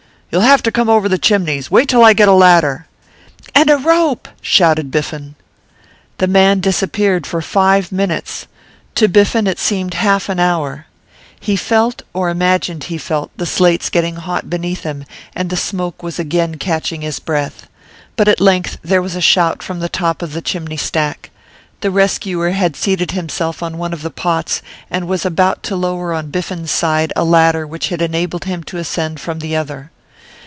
You'll have to come over the chimneys; wait till I get a ladder.' 'And a rope,' shouted Biffen. The man disappeared for five minutes. To Biffen it seemed half an hour; he felt, or imagined he felt, the slates getting hot beneath him, and the smoke was again catching his breath. But at length there was a shout from the top of the chimney stack. The rescuer had seated himself on one of the pots, and was about to lower on Biffen's side a ladder which had enabled him to ascend from the other.